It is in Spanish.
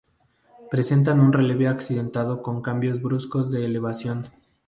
Presentan un relieve accidentado con cambios bruscos de elevación.